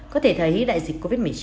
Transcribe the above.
có thể thấy đại dịch covid một mươi chín